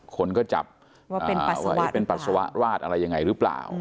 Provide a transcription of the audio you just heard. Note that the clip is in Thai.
คนก็จับว่าเป็นปัสสาวะราดอะไรยังไงหรือเปล่า